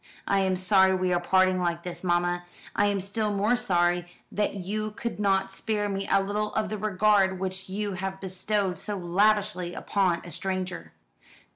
I am sorry we are parting like this, mamma. I am still more sorry that you could not spare me a little of the regard which you have bestowed so lavishly upon a stranger."